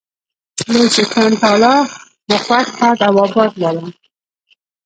لوی څښتن تعالی مو خوښ، ښاد او اباد لره.